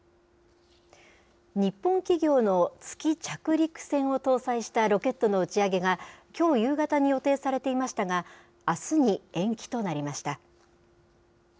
日本企業の月着陸船を搭載したロケットの打ち上げが、きょう夕方に予定されていましたが、あすに延期となりました。